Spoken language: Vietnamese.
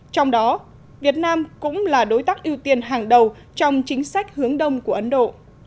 trong đó việt nam cũng là đối tác ưu tiên hàng đầu trong chính sách hướng đông của ấn độ